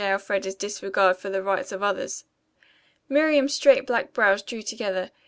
Elfreda's disregard for the rights of others. Miriam's straight black brows drew together.